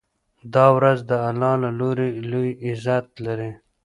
دا ورځ د الله له لوري لوی عزت لري.